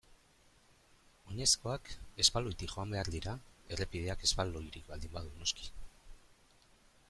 Oinezkoak espaloitik joan behar dira errepideak espaloirik baldin badu noski.